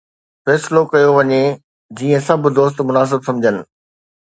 فيصلو ڪيو وڃي جيئن سڀ دوست مناسب سمجهن.